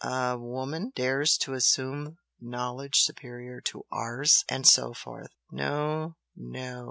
a WOMAN dares to assume knowledge superior to ours!' and so forth. No, no!